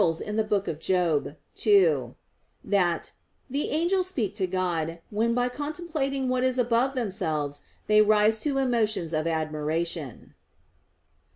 ii) that "the angels speak to God, when by contemplating what is above themselves they rise to emotions of admiration."